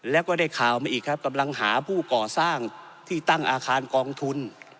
แล้วก็ได้ข่าวมาอีกครับกำลังหาผู้ก่อสร้างที่ตั้งอาคารกองทุน